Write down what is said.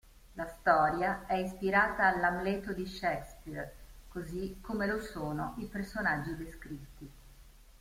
La storia è ispirata all'Amleto di Shakespeare, così come lo sono i personaggi descritti.